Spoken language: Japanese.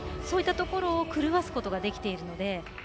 そういったところを狂わすことができているので。